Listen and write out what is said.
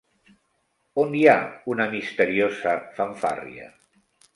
On hi ha una misteriosa fanfàrria?